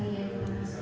di melayu nata